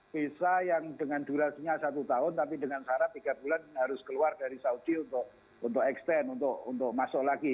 bisa yang dengan durasinya satu tahun tapi dengan syarat tiga bulan harus keluar dari saudi untuk extend untuk masuk lagi